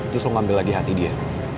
terus lo ngambil lagi hati dia